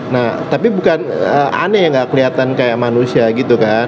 nah tapi bukan aneh yang gak kelihatan kayak manusia gitu kan